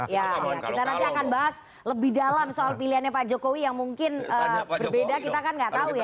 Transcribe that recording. ya kita nanti akan bahas lebih dalam soal pilihannya pak jokowi yang mungkin berbeda kita kan nggak tahu ya